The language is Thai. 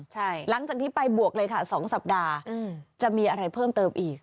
ใช่หลังจากนี้ไปบวกเลยค่ะ๒สัปดาห์จะมีอะไรเพิ่มเติมอีก